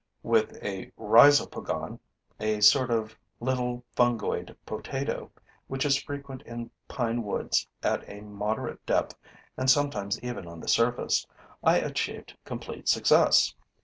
With a rhizopogon, a sort of little fungoid potato, which is frequent in pine woods at a moderate depth and sometimes even on the surface, I achieved complete success.